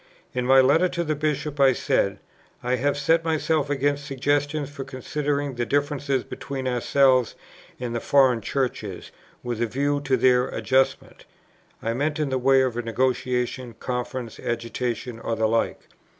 In my Letter to the Bishop I said, "I have set myself against suggestions for considering the differences between ourselves and the foreign Churches with a view to their adjustment." (I meant in the way of negotiation, conference, agitation, or the like.)